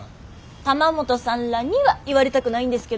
玉本さんらには言われたくないんですけどね。